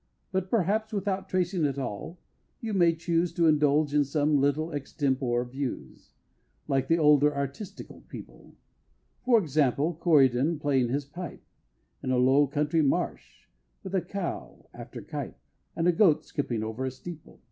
But, perhaps, without tracing at all, you may choose To indulge in some little extempore views, Like the older artistical people; For example, a Corydon playing his pipe, In a Low Country marsh, with a Cow, after Cuyp, And a Goat skipping over a steeple.